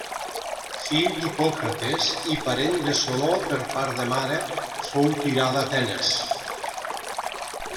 Fill d'Hipòcrates i parent de Soló per part de mare, fou tirà d'Atenes.